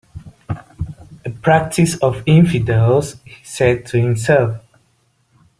"A practice of infidels," he said to himself.